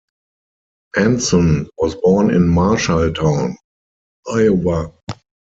Anson was born in Marshalltown, Iowa.